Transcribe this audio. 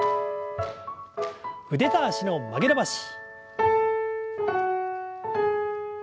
腕と脚の曲げ伸ばし。